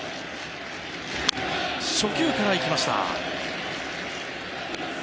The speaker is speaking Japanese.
初球から行きました。